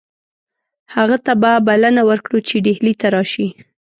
هغه ته به بلنه ورکړو چې ډهلي ته راشي.